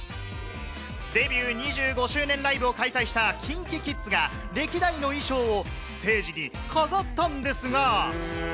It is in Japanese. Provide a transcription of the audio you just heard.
デビュー２５周年ライブを開催したＫｉｎＫｉＫｉｄｓが、歴代の衣装をステージに飾ったんですが。